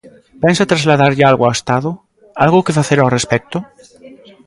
¿Pensa trasladarlle algo ao Estado?, ¿algo que facer ao respecto?